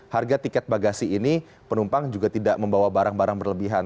harga tiket bagasi ini penumpang juga tidak membawa barang barang berlebihan